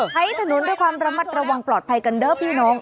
ใช้ถนนด้วยความระมัดระวังปลอดภัยกันเด้อพี่น้อง